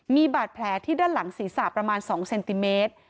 มีบาดแผลที่ด้านหลังศีรษะประมาณ๒เซนติเมตร